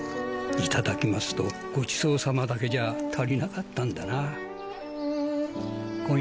いただきますとごちそうさまだけじゃ足りなかったんだな。